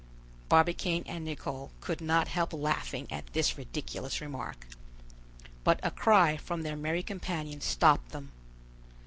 Barbicane and Nicholl could not help laughing at this ridiculous remark. But a cry from their merry companion stopped them.